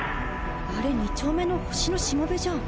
あれ二丁目の「星のしもべ」じゃん。